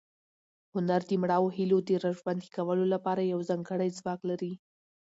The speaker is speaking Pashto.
هنر د مړاوو هیلو د راژوندي کولو لپاره یو ځانګړی ځواک لري.